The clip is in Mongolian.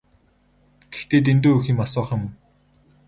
Гэхдээ дэндүү их юм асуух юм.